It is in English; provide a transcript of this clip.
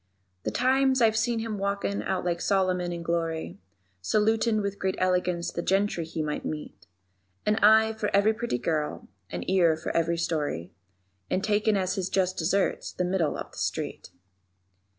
_ The times I've seen him walkin' out like Solomon in glory, Salutin' with great elegance the gentry he might meet; An eye for every pretty girl, an ear for every story, And takin' as his just deserts the middle of the street.